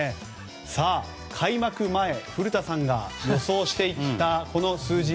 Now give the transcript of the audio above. さあ、開幕前、古田さんが予想していた、この数字。